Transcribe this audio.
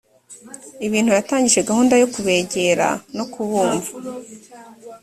ibuntu yatangije gahunda yo kubegera no kubumva